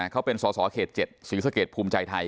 เขาเป็นสอสอเขต๗ศรีสะเกดภูมิใจไทย